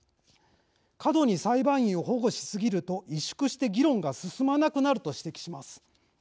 「過度に裁判員を保護しすぎると萎縮して議論が進まなくなる」と指摘します。